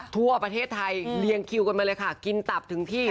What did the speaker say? ทั่วประเทศไทยเรียงคิวกันมาเลยค่ะกินตับถึงที่